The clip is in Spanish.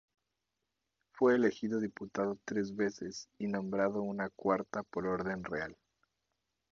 Fue elegido diputado tres veces y nombrado una cuarta por orden real.